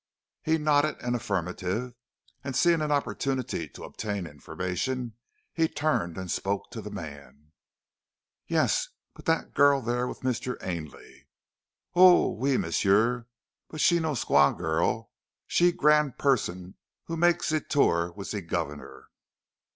He nodded an affirmative, and seeing an opportunity to obtain information turned and spoke to the man. "Yes, but that girl there with Mr. Ainley " "Oui, m'sieu. But she no squaw girl. She grand person who make' ze tour with ze governor."